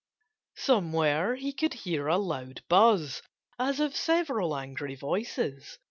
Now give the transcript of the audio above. Somewhere he could hear a loud buzz, as of several angry voices.